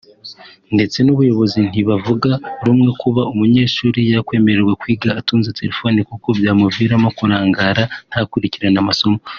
ndetse n’ubuyobozi ntibavuga rumwe kuba umunyeshuri yakwemererwa kwiga atunze telefone kuko byamuviramo kurangara ntakurikire amasomo